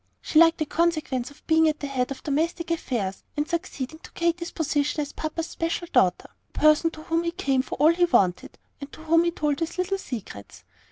She liked the consequence of being at the head of domestic affairs, and succeeding to Katy's position as papa's special daughter, the person to whom he came for all he wanted, and to whom he told his little secrets.